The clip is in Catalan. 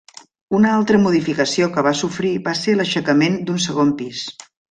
Una altra modificació que va sofrir va ser l'aixecament d'un segon pis.